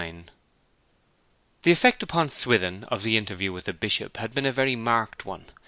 XXIX The effect upon Swithin of the interview with the Bishop had been a very marked one.